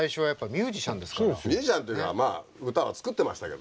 ミュージシャンっていうかまあ歌は作ってましたけどね。